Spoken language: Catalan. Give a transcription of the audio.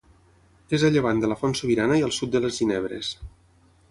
És a llevant de la Font Sobirana i al sud de les Ginebres.